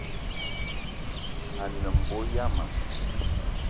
A ne mbo yama